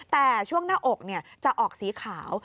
แต่ช่วงหน้าอกจะออกสีขาว